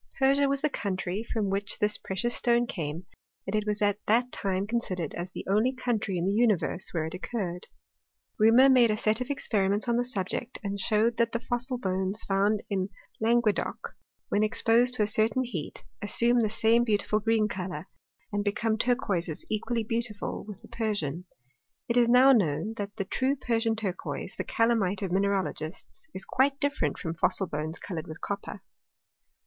Persia was the country from which this pre cious stone came, and it was at that time considered as the only country in the universe where it occurred. Reaumur made a set of experiments on the subject and showed that the fossil bones found in Languedoc, when exposed to a certain heat, assume the same beautiful green colour, and become turquoises equally beautiful with the Persian. It is now known, that the true Persian turquoise, the caZami^e of mineralogists, is quite different from fossil bones coloured with copper.